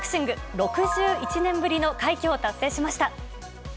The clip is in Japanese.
６１年ぶりの快挙を達成しました。